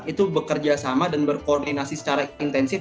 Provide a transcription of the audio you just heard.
itu bekerja sama dan berkoordinasi secara intensif